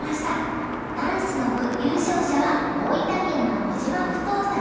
男子の部優勝者は大分県の小島二十さん。